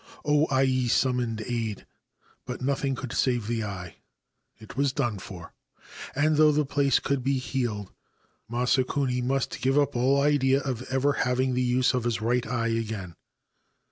O Ai summoned aid ; but nothing could save the eye. It was done for ; and, though the place could be healed, Masakuni must give up all idea of ever having the use of his right eye again.